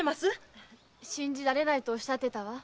「信じられない」とおっしゃってたわ。